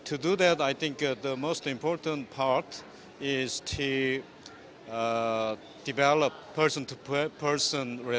untuk mendapatkan pemahaman negara